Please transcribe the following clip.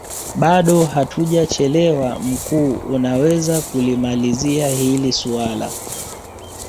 bado hatujachelewa mkuu unaweza kulimalizia hili suala